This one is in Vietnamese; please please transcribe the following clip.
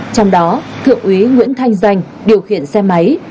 trong đó thượng úy nguyễn thanh danh điều khiển xe máy